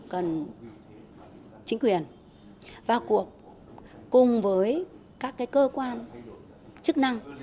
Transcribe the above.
cần chính quyền vào cuộc cùng với các cơ quan chức năng